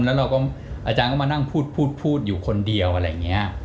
แล้วเราก็อาจารย์ก็มานั่งพูดพูดอยู่คนเดียวอะไรอย่างนี้